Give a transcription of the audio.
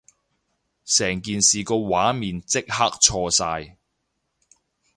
成件事個畫面即刻錯晒